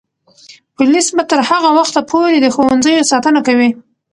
پولیس به تر هغه وخته پورې د ښوونځیو ساتنه کوي.